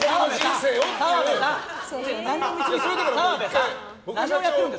澤部さん！